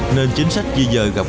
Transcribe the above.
nên chính sách di dời gặp mặt